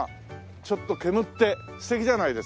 ちょっと煙って素敵じゃないですか？